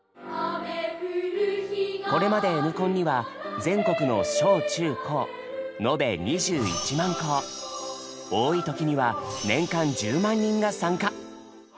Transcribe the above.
これまで「Ｎコン」には全国の小・中・高多い時には年間１０万人が参加。